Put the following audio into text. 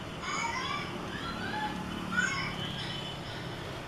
iani edwin david deketela ameandaa nini basi katika habari rafiki